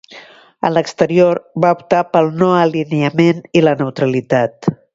En l'exterior va optar pel no alineament i la neutralitat.